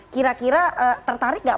kira kira tertarik gak